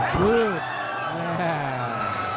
พื้น